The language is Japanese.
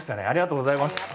ありがとうございます。